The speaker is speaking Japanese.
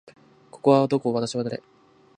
ここはどこ？私は誰？